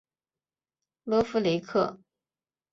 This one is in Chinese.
勒夫雷克。